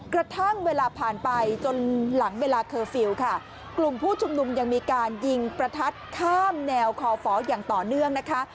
กระทั่งเวลาผ่านไปจนหลังเวลาเคอร์ฟิลล์ค่ะกลุ่มผู้ชุมนุมยังมีการยิงประทัดข้ามแนวคอฝอย่างต่อเนื่องนะคะ